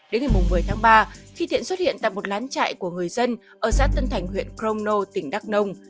đến ngày một mươi tháng ba khi thiện xuất hiện tại một lán trại của người dân ở xã tân thành huyện crono tỉnh đắk nông